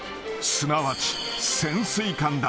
すなわち、潜水艦だ。